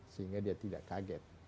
sehingga dia tidak kaget